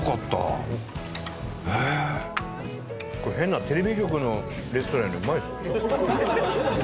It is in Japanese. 変なテレビ局のレストランよりうまいですよ。